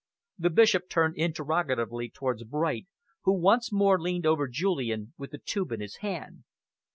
The Bishop turned interrogatively towards Bright, who once more leaned over Julian with the tube in his hand.